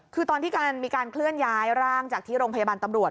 คือตอนที่มีการเคลื่อนย้ายร่างจากที่โรงพยาบาลตำรวจ